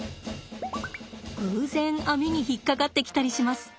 偶然網に引っ掛かってきたりします。